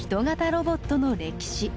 ロボットの歴史。